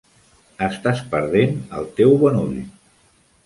Estàs perdent el teu bon ull.